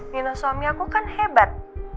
minum suami aku kan hebat